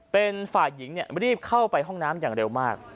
เป็นฝ่ายหญิงรีบเข้าไปห้องน้ำอย่างเร็วมาก